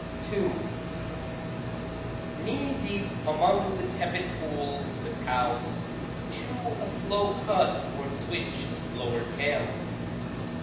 II Knee deep among the tepid pools the cows Chew a slow cud or switch a slower tail.